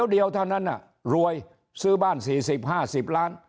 เดียวเท่านั้นรวยซื้อบ้าน๔๐๕๐ล้าน